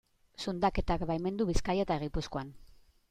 Zundaketak baimendu Bizkaia eta Gipuzkoan.